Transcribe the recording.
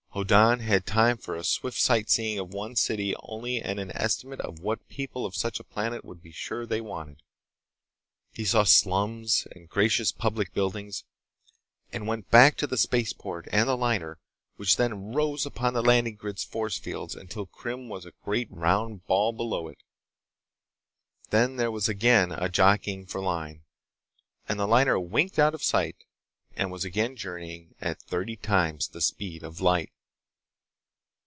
Hoddan had time for swift sightseeing of one city only and an estimate of what the people of such a planet would be sure they wanted. He saw slums and gracious public buildings, and went back to the spaceport and the liner which then rose upon the landing grid's force fields until Krim was a great round ball below it. Then there was again a jockeying for line, and the liner winked out of sight and was again journeying at thirty times the speed of light.